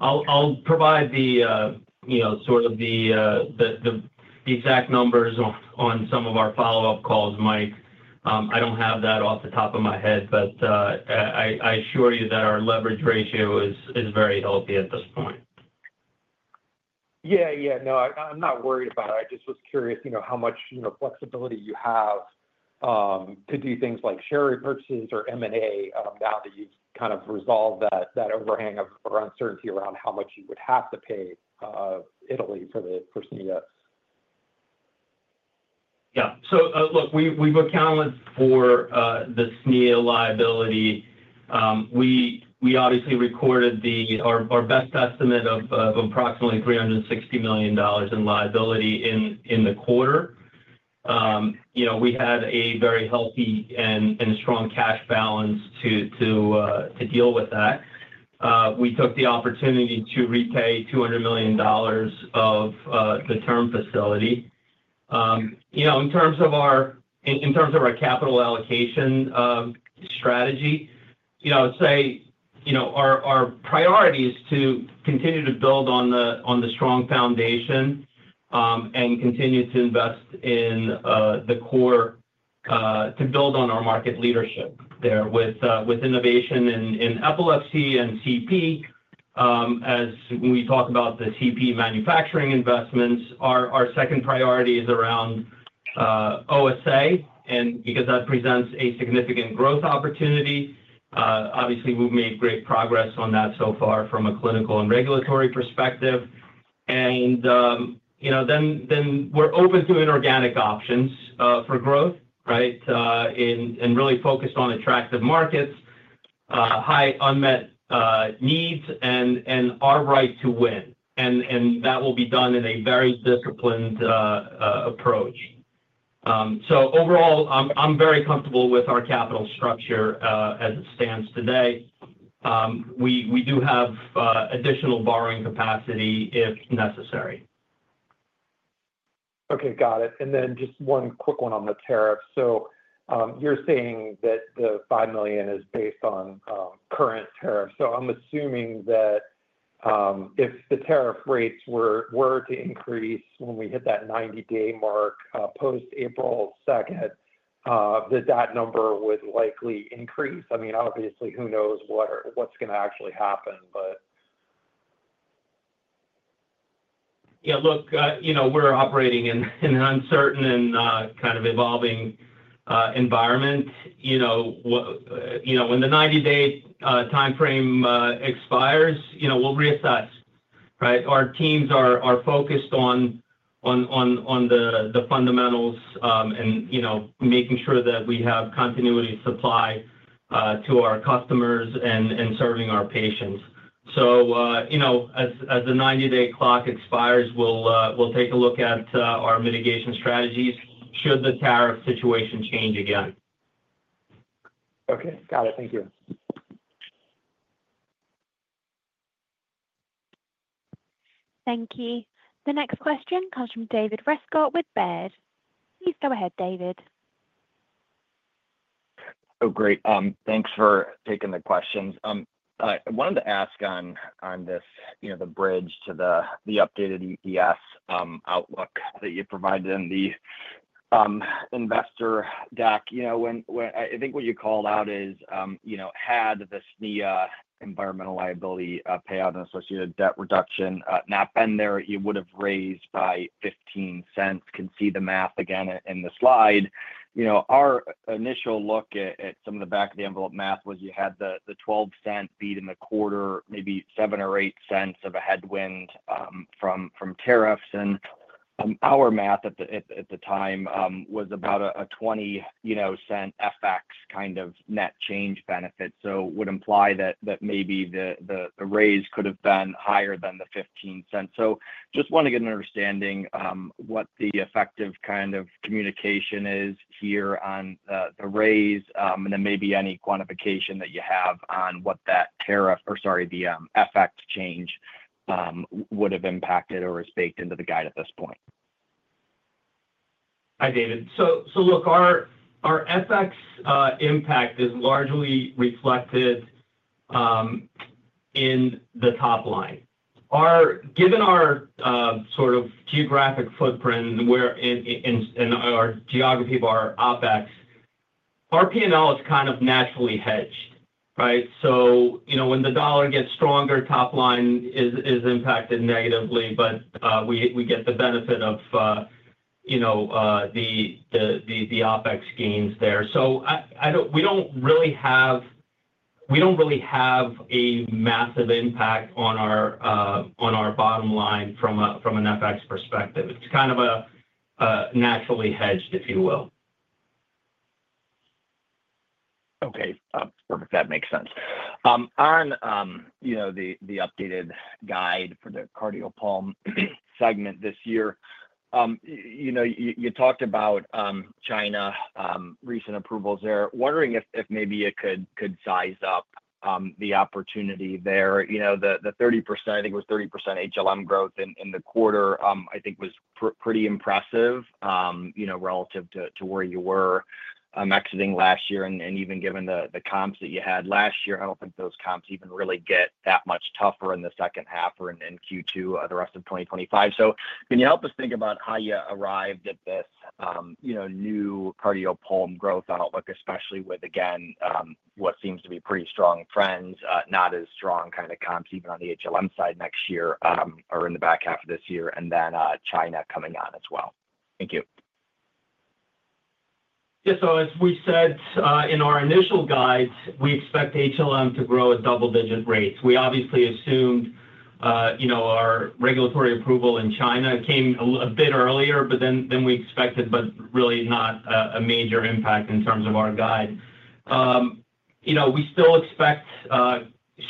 I'll provide sort of the exact numbers on some of our follow-up calls, Mike. I don't have that off the top of my head, but I assure you that our leverage ratio is very healthy at this point. Yeah, yeah. No, I'm not worried about it. I just was curious how much flexibility you have to do things like share repurchases or M&A now that you've kind of resolved that overhang of uncertainty around how much you would have to pay Italy for SNIA. Yeah. Look, we've accounted for the SNIA liability. We obviously recorded our best estimate of approximately $360 million in liability in the quarter. We had a very healthy and strong cash balance to deal with that. We took the opportunity to repay $200 million of the term facility. In terms of our capital allocation strategy, I would say our priority is to continue to build on the strong foundation and continue to invest in the core to build on our market leadership there with innovation in epilepsy and CP. As we talk about the CP manufacturing investments, our second priority is around OSA, and because that presents a significant growth opportunity, obviously, we've made great progress on that so far from a clinical and regulatory perspective. We're open to inorganic options for growth, right, and really focused on attractive markets, high unmet needs, and our right to win. That will be done in a very disciplined approach. Overall, I'm very comfortable with our capital structure as it stands today. We do have additional borrowing capacity if necessary. Okay. Got it. And then just one quick one on the tariff. So you're saying that the $5 million is based on current tariffs. So I'm assuming that if the tariff rates were to increase when we hit that 90-day mark post-April 2, that that number would likely increase. I mean, obviously, who knows what's going to actually happen, but. Yeah. Look, we're operating in an uncertain and kind of evolving environment. When the 90-day timeframe expires, we'll reassess, right? Our teams are focused on the fundamentals and making sure that we have continuity of supply to our customers and serving our patients. As the 90-day clock expires, we'll take a look at our mitigation strategies should the tariff situation change again. Okay. Got it. Thank you. Thank you. The next question comes from David Rescott with Baird. Please go ahead, David. Oh, great. Thanks for taking the questions. I wanted to ask on this, the bridge to the updated EPS outlook that you provided in the investor deck. I think what you called out is had the SNIA environmental liability payout and associated debt reduction not been there, you would have raised by $0.15. Can see the math again in the slide. Our initial look at some of the back-of-the-envelope math was you had the $0.12 beat in the quarter, maybe $0.07 or $0.08 of a headwind from tariffs. And our math at the time was about a $0.20 FX kind of net change benefit. It would imply that maybe the raise could have been higher than the $0.15. Just want to get an understanding of what the effective kind of communication is here on the raise and then maybe any quantification that you have on what that tariff or, sorry, the FX change would have impacted or is baked into the guide at this point. Hi, David. Look, our FX impact is largely reflected in the top line. Given our sort of geographic footprint and our geography of our OpEx, our P&L is kind of naturally hedged, right? When the dollar gets stronger, top line is impacted negatively, but we get the benefit of the OpEx gains there. We do not really have a massive impact on our bottom line from an FX perspective. It is kind of naturally hedged, if you will. Okay. Perfect. That makes sense. On the updated guide for the cardiopulmonary segment this year, you talked about China, recent approvals there. Wondering if maybe you could size up the opportunity there. The 30%, I think it was 30% HLM growth in the quarter, I think, was pretty impressive relative to where you were exiting last year. And even given the comps that you had last year, I do not think those comps even really get that much tougher in the second half or in Q2 of the rest of 2025. Can you help us think about how you arrived at this new cardiopulmonary growth outlook, especially with, again, what seems to be pretty strong trends, not as strong kind of comps even on the HLM side next year or in the back half of this year, and then China coming on as well? Thank you. Yeah. As we said in our initial guide, we expect HLM to grow at double-digit rates. We obviously assumed our regulatory approval in China came a bit earlier than we expected, but really not a major impact in terms of our guide. We still expect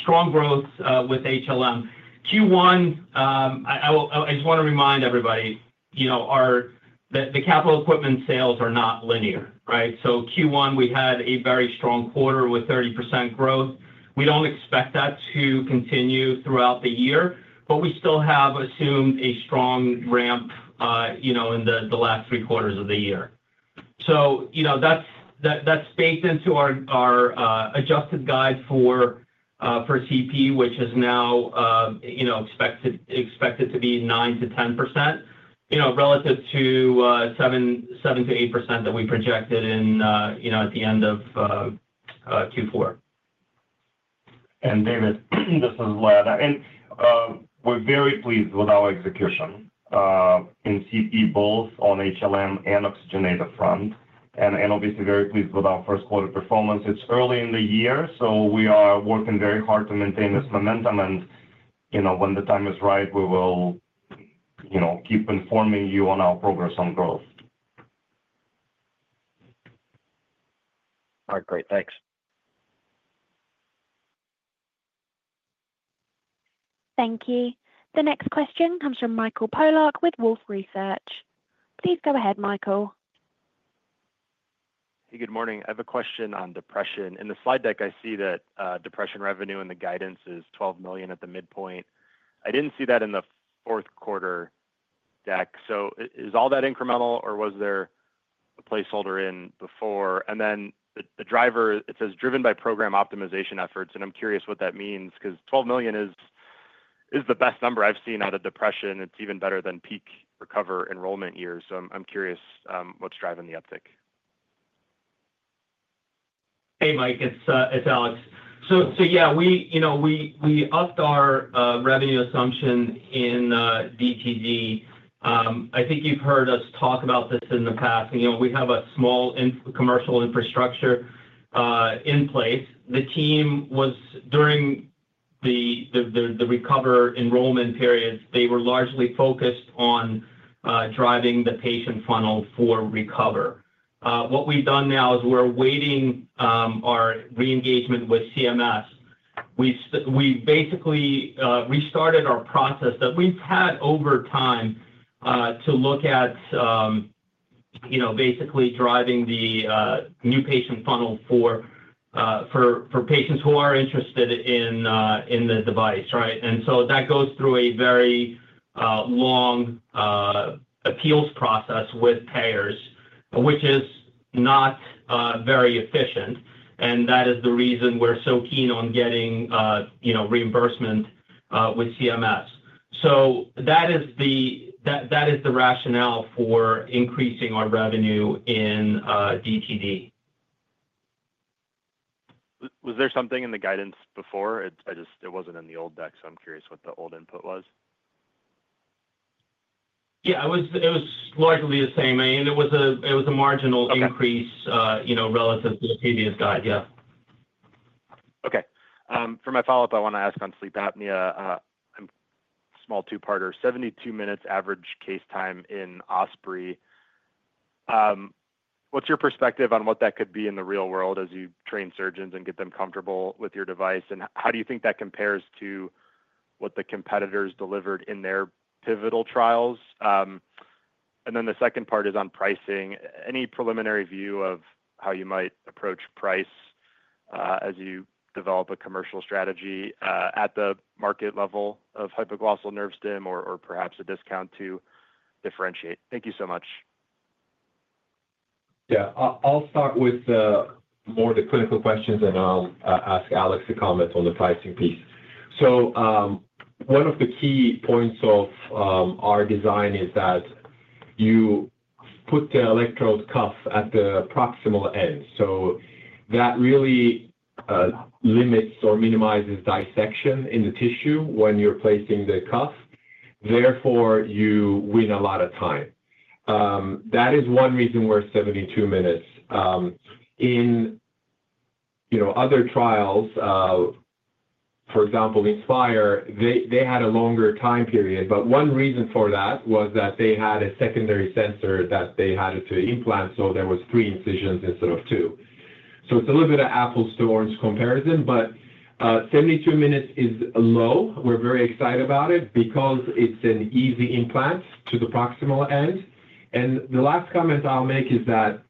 strong growth with HLM. Q1, I just want to remind everybody that the capital equipment sales are not linear, right? Q1, we had a very strong quarter with 30% growth. We do not expect that to continue throughout the year, but we still have assumed a strong ramp in the last three quarters of the year. That is baked into our adjusted guide for CP, which is now expected to be 9%-10% relative to 7%-8% that we projected at the end of Q4. David, this is Vlad. I mean, we're very pleased with our execution in CP, both on HLM and oxygenator front. Obviously, very pleased with our first-quarter performance. It's early in the year, so we are working very hard to maintain this momentum. When the time is right, we will keep informing you on our progress on growth. All right. Great. Thanks. Thank you. The next question comes from Michael Polark with Wolfe Research. Please go ahead, Michael. Hey, good morning. I have a question on depression. In the slide deck, I see that depression revenue in the guidance is $12 million at the midpoint. I did not see that in the fourth-quarter deck. Is all that incremental, or was there a placeholder in before? The driver, it says driven by program optimization efforts. I am curious what that means because $12 million is the best number I have seen out of depression. It is even better than peak recover enrollment years. I am curious what is driving the uptick. Hey, Mike. It's Alex. Yeah, we upped our revenue assumption in DTD. I think you've heard us talk about this in the past. We have a small commercial infrastructure in place. The team, during the recover enrollment periods, they were largely focused on driving the patient funnel for recover. What we've done now is we're awaiting our re-engagement with CMS. We basically restarted our process that we've had over time to look at basically driving the new patient funnel for patients who are interested in the device, right? That goes through a very long appeals process with payers, which is not very efficient. That is the reason we're so keen on getting reimbursement with CMS. That is the rationale for increasing our revenue in DTD. Was there something in the guidance before? It was not in the old deck, so I am curious what the old input was. Yeah. It was largely the same. I mean, it was a marginal increase relative to the previous guide. Yeah. Okay. For my follow-up, I want to ask on sleep apnea. Small two-parter. 72 minutes average case time in OSPREY. What's your perspective on what that could be in the real world as you train surgeons and get them comfortable with your device? How do you think that compares to what the competitors delivered in their pivotal trials? The second part is on pricing. Any preliminary view of how you might approach price as you develop a commercial strategy at the market level of hypoglossal nerve stim or perhaps a discount to differentiate? Thank you so much. Yeah. I'll start with more of the clinical questions, and I'll ask Alex to comment on the pricing piece. One of the key points of our design is that you put the electrode cuff at the proximal end. That really limits or minimizes dissection in the tissue when you're placing the cuff. Therefore, you win a lot of time. That is one reason we're 72 minutes. In other trials, for example, Inspire, they had a longer time period. One reason for that was that they had a secondary sensor that they had to implant, so there were three incisions instead of two. It's a little bit of apples-to-orange comparison, but 72 minutes is low. We're very excited about it because it's an easy implant to the proximal end. The last comment I'll make is that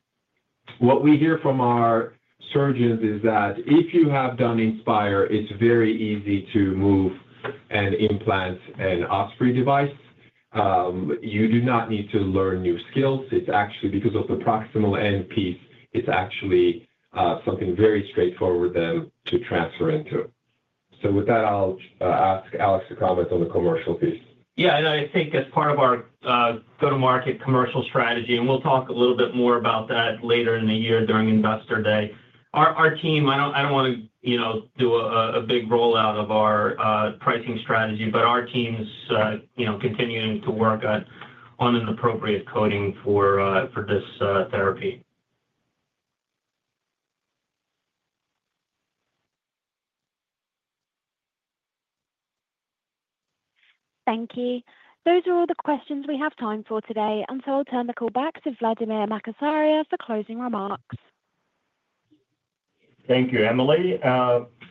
what we hear from our surgeons is that if you have done Inspire, it's very easy to move and implant and OSPREY device. You do not need to learn new skills. It's actually because of the proximal end piece, it's actually something very straightforward to transfer into. With that, I'll ask Alex to comment on the commercial piece. Yeah. I think as part of our go-to-market commercial strategy, and we'll talk a little bit more about that later in the year during Investor Day, our team—I don't want to do a big rollout of our pricing strategy—but our team's continuing to work on an appropriate coding for this therapy. Thank you. Those are all the questions we have time for today. I will turn the call back to Vladimir Makatsaria for closing remarks. Thank you, Emily,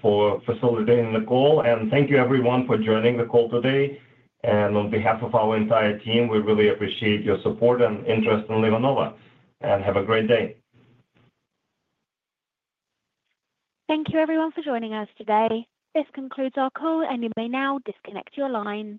for facilitating the call. Thank you, everyone, for joining the call today. On behalf of our entire team, we really appreciate your support and interest in LivaNova. Have a great day. Thank you, everyone, for joining us today. This concludes our call, and you may now disconnect your line.